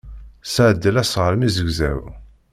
Sseɛdel asɣar mi zegzaw.